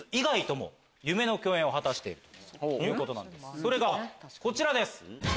それがこちらです。